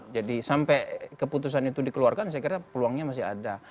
jadi sampai keputusan itu dikeluarkan saya kira peluangnya masih ada